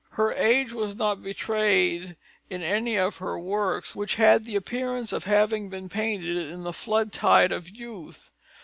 Her age was not betrayed in any of her works, which had the appearance of having been painted in the flood tide of youth.